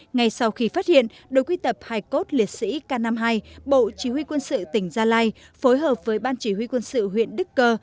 ngay sau khi phát hiện đội quy tập hải cốt liệt sĩ k năm mươi hai bộ chỉ huy quân sự tỉnh gia lai phối hợp với ban chỉ huy quân sự huyện đức cơ